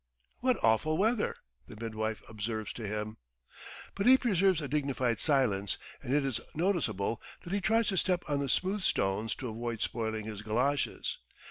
"What awful weather!" the midwife observes to him. But he preserves a dignified silence, and it is noticeable that he tries to step on the smooth stones to avoid spoiling his goloshes.